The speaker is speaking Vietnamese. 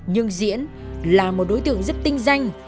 nhưng diễn là một đối tượng rất tinh danh